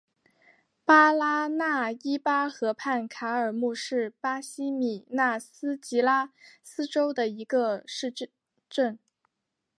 巴拉那伊巴河畔卡尔穆是巴西米纳斯吉拉斯州的一个市镇。